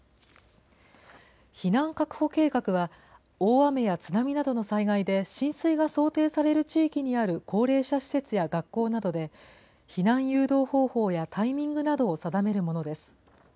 避難確保計画は、大雨や津波などの災害で浸水が想定される地域にある高齢者施設や学校などで、避難誘導方法やタイミングなどを定めるものです。